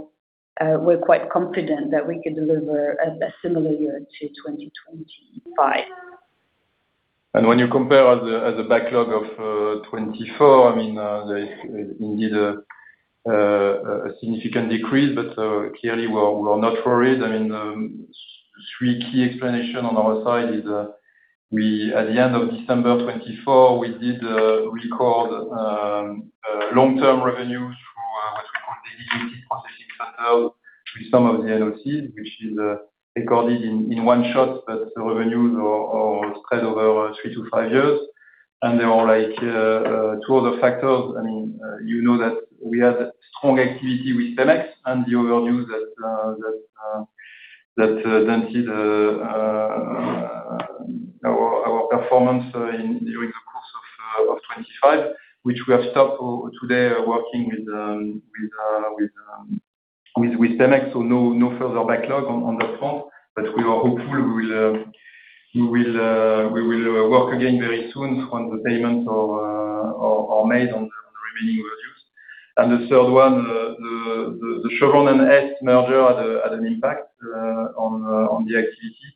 we're quite confident that we could deliver a similar year to 2025. When you compare as a backlog of 2024, I mean, there is indeed a significant decrease, but clearly, we're not worried. I mean, three key explanation on our side is, we at the end of December 2024, we did record long-term revenues through what we call dedicated processing center with some of the NOC, which is recorded in one shot, but the revenues are spread over 3 to 5 years. There are like 2 other factors. I mean, you know that we had strong activity with Pemex and the other news that then see our performance in during the course of 2025, which we have stopped today working with Pemex. No, no further backlog on that front, but we are hopeful we will work again very soon on the payments are made on the remaining revenues. The third one, the Chevron and Hess merger had an impact on the activity.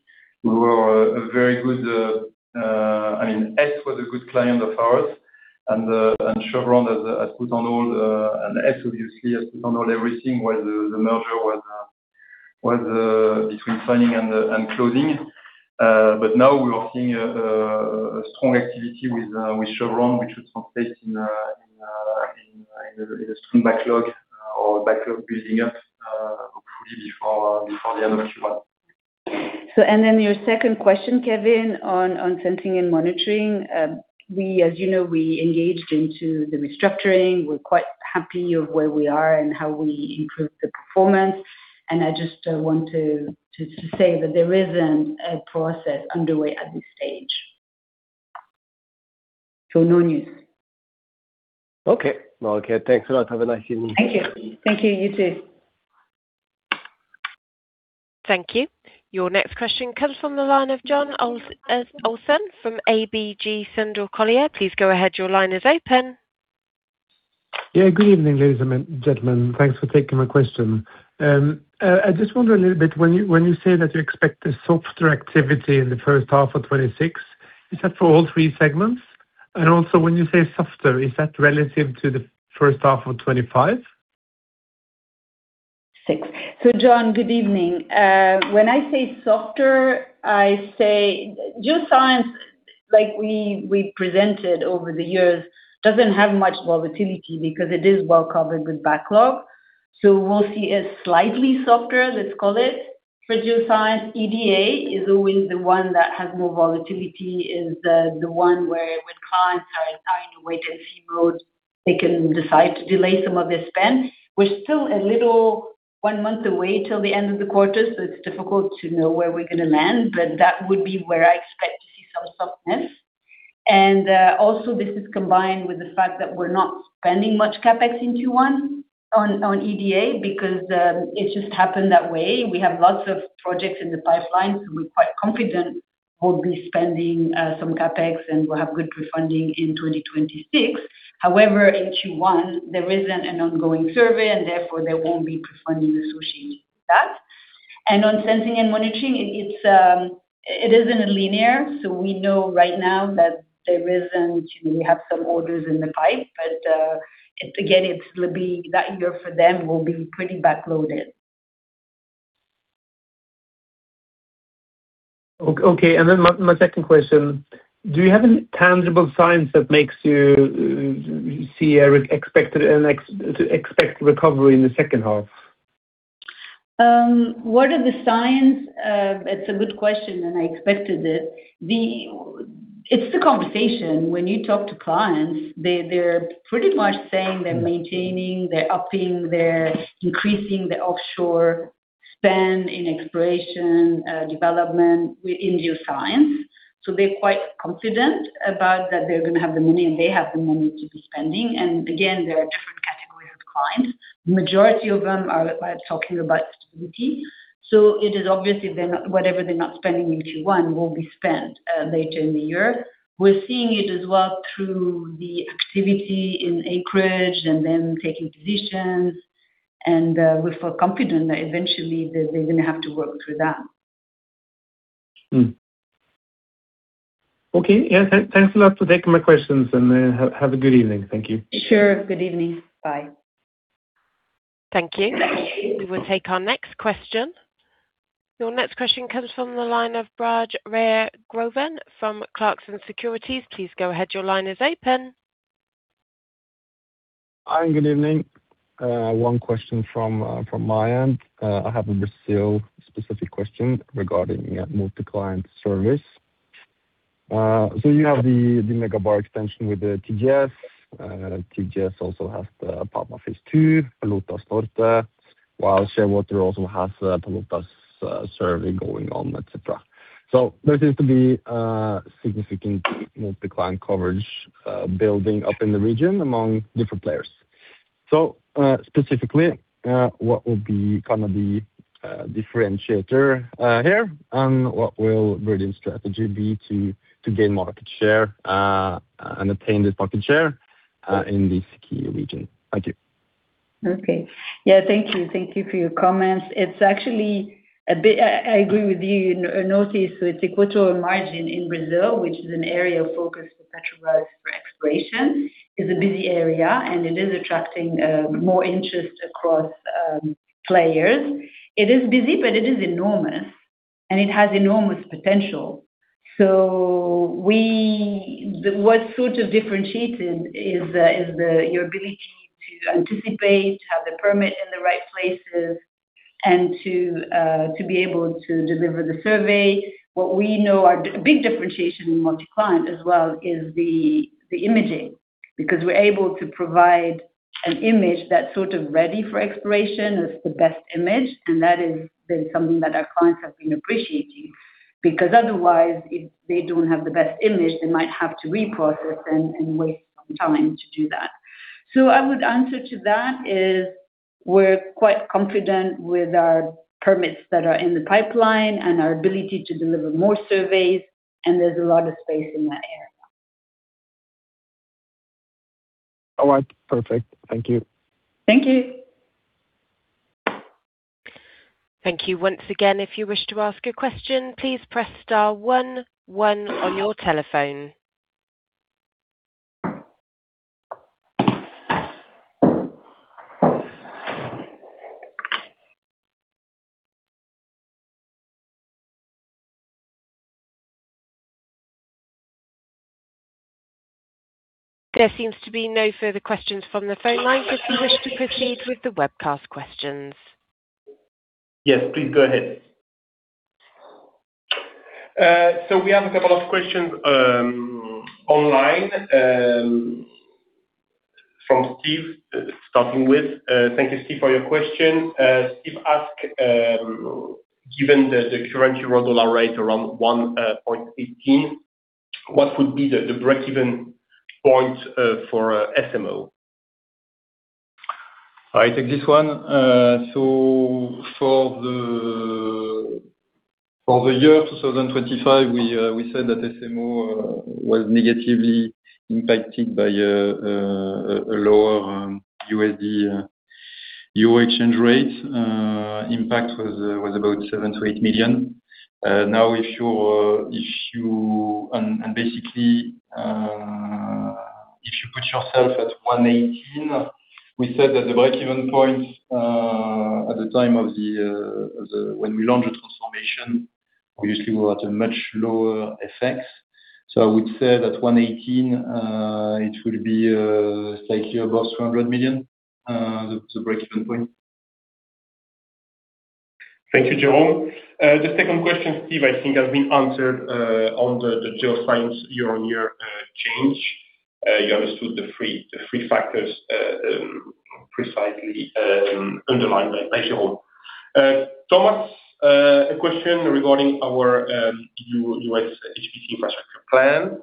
We were a very good, I mean, Hess was a good client of ours, and Chevron has put on hold, and Hess obviously has put on hold everything while the merger was between signing and closing. Now we are seeing a strong activity with Chevron, which should translate in a strong backlog or backlog building up, hopefully before the end of Q1. Your second question, Kevin, on Sensing & Monitoring. We, as we engaged into the restructuring. We're quite happy of where we are and how we improved the performance. I just want to say that there isn't a process underway at this stage. No news. Okay. Well, okay, thanks a lot. Have a nice evening. Thank you. Thank you too. Thank you. Your next question comes from the line of John Olaisen from ABG Sundal Collier. Please go ahead. Your line is open. Good evening, ladies and gentlemen. Thanks for taking my question. I just wonder a little bit, when you say that you expect the softer activity in the first half of 2026, is that for all three segments? Also when you say softer, is that relative to the first half of 2025? Six. John, good evening. When I say softer, I say Geoscience, like we presented over the years, doesn't have much volatility because it is well covered with backlog. We'll see a slightly softer, let's call it. For Geoscience, EDA is always the one that has more volatility, is the one where when clients are trying to wait and see mode, they can decide to delay some of their spend. We're still a little one month away till the end of the quarter, it's difficult to know where we're gonna land, that would be where I expect to see some softness. Also this is combined with the fact that we're not spending much CapEx in Q1 on EDA because it just happened that way. We have lots of projects in the pipeline, so we're quite confident we'll be spending some CapEx, and we'll have good pre-funding in 2026. However, in Q1, there isn't an ongoing survey, and therefore there won't be pre-funding associated with that. On Sensing & Monitoring, it isn't a linear, so we know right now that there isn't, we have some orders in the pipe. Again, That year for them will be pretty backloaded. Okay. My second question: Do you have any tangible signs that makes you see to expect recovery in the second half? What are the signs? It's a good question, and I expected it. It's the conversation. When you talk to clients, they're pretty much saying they're maintaining, they're upping, they're increasing the offshore spend in exploration, development in Geoscience. They're quite confident about that they're gonna have the money, and they have the money to be spending. Again, there are different categories of clients. Majority of them are talking about activity. It is obviously whatever they're not spending in Q1 will be spent later in the year. We're seeing it as well through the activity in acreage and them taking positions, and we feel confident that eventually they're gonna have to work through that. Okay. Thanks a lot for taking my questions, and have a good evening. Thank you. Sure. Good evening. Bye. Thank you. We will take our next question. Your next question comes from the line of Brage Reier Groven from Clarksons Securities. Please go ahead. Your line is open. Hi, good evening. One question from my end. I have a Brazil-specific question regarding multi-client service. You have the Megabar extension with the TGS. TGS also has the part of his two, Palotas Torte, while Shearwater also has the Palotas survey going on, et cetera. There seems to be a significant multi-client coverage building up in the region among different players. Specifically, what would be kind of the differentiator here? What will Viridien's strategy be to gain market share and attain this market share in this key region? Thank you. thank you. Thank you for your comments. It's actually a bit. I agree with you. Northeast, it's equatorial margin in Brazil, which is an area of focus for Petrobras for exploration. It's a busy area. It is attracting more interest across players. It is busy, it is enormous, and it has enormous potential. What sort of differentiated is your ability to anticipate, have the permit in the right places and to be able to deliver the survey. What we know are big differentiation in multi-client as well is the imaging, because we're able to provide an image that's sort of ready for exploration, is the best image, That is been something that our clients have been appreciating. Otherwise, if they don't have the best image, they might have to reprocess and waste some time to do that. I would answer to that is, we're quite confident with our permits that are in the pipeline and our ability to deliver more surveys, and there's a lot of space in that area. All right. Perfect. Thank you. Thank you. Thank you once again. If you wish to ask a question, please press star 1, 1 on your telephone. There seems to be no further questions from the phone lines. If you wish to proceed with the webcast questions. Yes, please go ahead. We have a couple of questions online. Steve, starting with, thank you, Steve, for your question. Steve asked, given the current euro dollar rate around 1.18, what would be the breakeven point for SMO? I take this one. For the year 2025, we said that SMO was negatively impacted by a lower USD EUR exchange rate. Impact was about 7-8 million. Now if you basically put yourself at 1.18, we said that the breakeven point at the time of the when we launched the transformation, we usually were at a much lower FX. I would say that 1.18, it will be slightly above 200 million, the breakeven point. Thank you, Jérôme. The second question, Steve, I think has been answered on the Geoscience year-on-year change. You understood the three factors precisely underlined there. Thank you all. Thomas, a question regarding our US HPC infrastructure plan.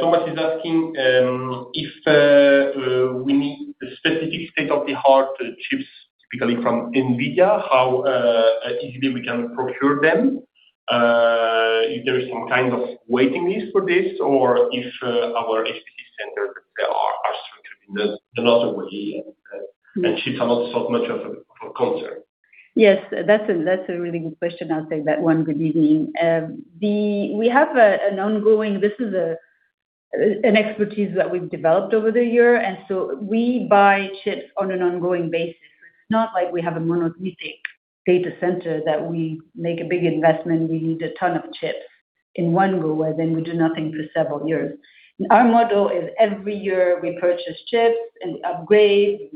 Thomas is asking if we need specific state-of-the-art chips, typically from NVIDIA, how easily we can procure them? If there is some kind of waiting list for this or if our HPC center are structured in another way, and chips are not so much of a concern. Yes, that's a really good question. I'll take that one. Good evening. We have an ongoing expertise that we've developed over the year, we buy chips on an ongoing basis. It's not like we have a monolithic data center that we make a big investment, we need a ton of chips in one go, we do nothing for several years. Our model is every year we purchase chips, we upgrade.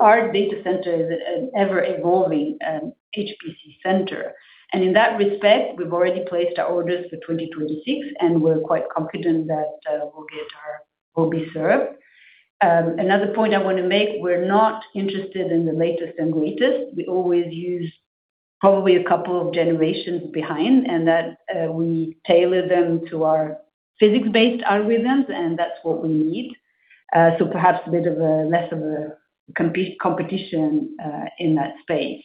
Our data center is an ever-evolving HPC center. In that respect, we've already placed our orders for 2026, we're quite confident that we'll be served. Another point I want to make, we're not interested in the latest and greatest. We always use probably a couple of generations behind, and that, we tailor them to our physics-based algorithms, and that's what we need. Perhaps a bit of a, less of a competition in that space.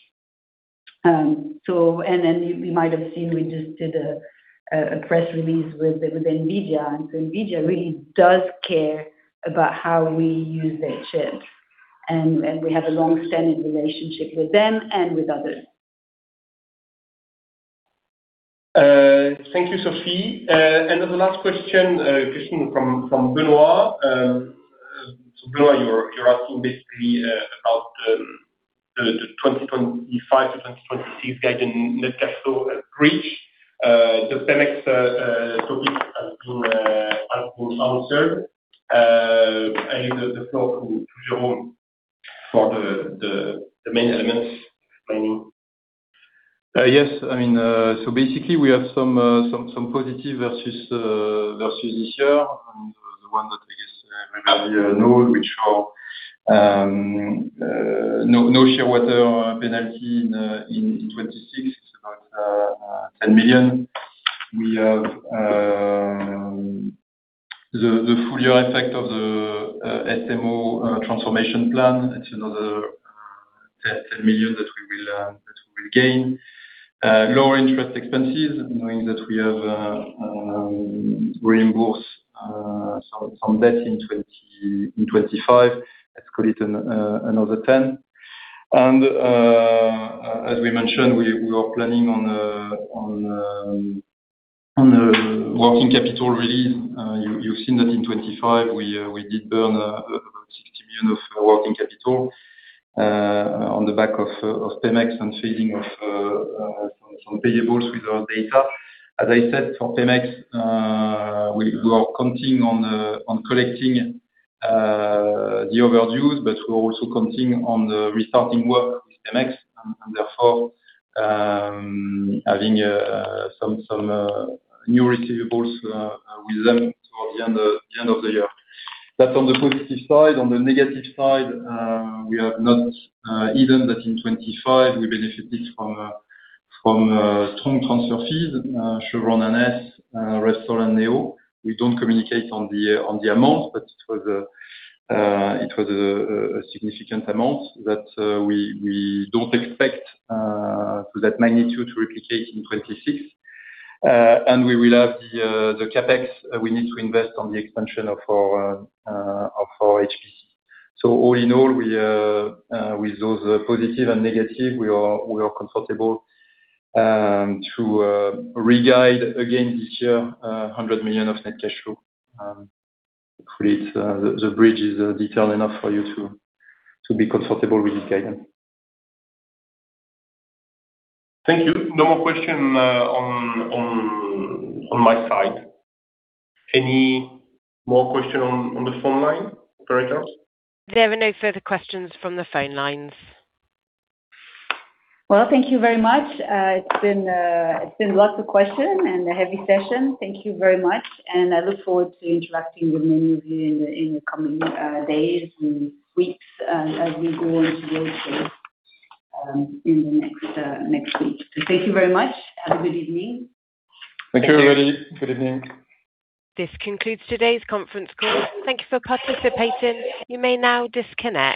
You might have seen, we just did a press release with NVIDIA, and NVIDIA really does care about how we use their chips. We have a long-standing relationship with them and with others. Thank you, Sophie. The last question, question from, from Benoit. Um, so Benoit, you're, you're asking basically, about, um, the, the twenty twenty-five to twenty twenty-six guide and net cash flow bridge. The Pemex topic has been answered. I leave the floor to Jerome for the main elements, mainly. Yes. I mean, so basically, we have some positive versus versus this year, and the one that I guess everybody know, which are, no Shearwater penalty in 2026, it's about $10 million. We have the full year effect of the SMO transformation plan. It's another $10 million that we will gain. Lower interest expenses, knowing that we have reimbursed some debt in 2025. Let's call it another $10 million. As we mentioned, we are planning on the working capital release. You've seen that in 25, we did burn about $60 million of working capital on the back of Pemex and phasing of some payables with our data. As I said, for Pemex, we are counting on collecting the overdues, but we're also counting on the restarting work with Pemex, and therefore, having some new receivables with them toward the end of the year. That's on the positive side. On the negative side, we have not hidden that in 25, we benefited from strong transfer fees, Che, vron and S, Restor and Neo. We don't communicate on the on the amount, but it was a it was a significant amount that we don't expect to that magnitude to replicate in 2026. We will have the CapEx we need to invest on the expansion of our of our HPC. All in all, we with those positive and negative, we are we are comfortable to reguide again this year, $100 million of net cash flow. Hopefully, the bridge is detailed enough for you to be comfortable with this guidance. Thank you. No more question on my side. Any more question on the phone line for us? There are no further questions from the phone lines. Well, thank you very much. It's been lots of questions and a heavy session. Thank you very much. I look forward to interacting with many of you in the coming days and weeks as we go into road show in the next weeks. Thank you very much. Have a good evening. Thank you, everybody. Good evening. This concludes today's conference call. Thank you for participating. You may now disconnect.